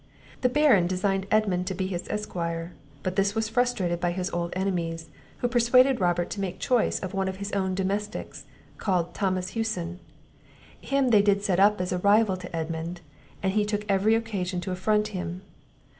The Baron designed Edmund to be his esquire; but this was frustrated by his old enemies, who persuaded Robert to make choice of one of his own domestics, called Thomas Hewson; him did they set up as a rival to Edmund, and he took every occasion to affront him.